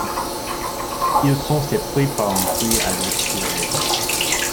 Ils sont surpris par un bruit à l'extérieur.